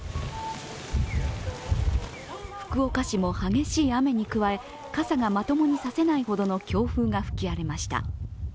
福岡市も激しい雨に加え傘がまともに差せないほどの強風が吹き荒れました。